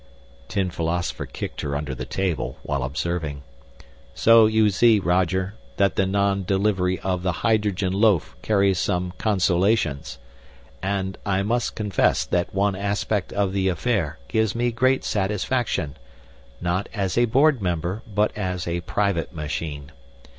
Tin Philosopher kicked her under the table, while observing, "So you see, Roger, that the non delivery of the hydrogen loaf carries some consolations. And I must confess that one aspect of the affair gives me great satisfaction, not as a Board Member but as a private machine.